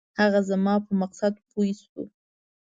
هغه زما په مقصد پوی شو.